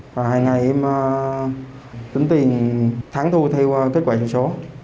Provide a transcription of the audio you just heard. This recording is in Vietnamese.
và hàng ngày em tính tiền thắng thu theo kết quả trong số